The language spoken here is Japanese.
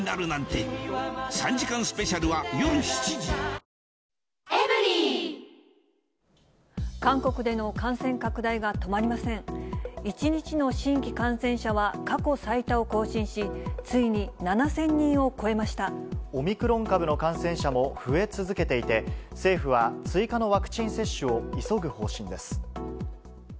１日の新規感染者は過去最多を更新し、ついに７０００人を超えまオミクロン株の感染者も増え続けていて、政府は追加のワクチン接種を急ぐ方針です。